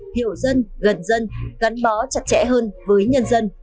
hiểu dân gần dân gắn bó chặt chẽ hơn với nhân dân